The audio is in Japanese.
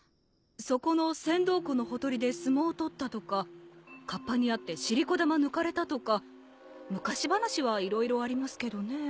そこの千憧湖のほとりで相撲取ったとかかっぱに会ってしりこ玉抜かれたとか昔話は色々ありますけどねぇ。